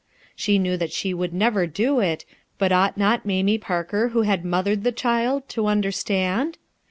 She knew that she would never do it, but ought not Mamie Parker who had mothered the child, to understand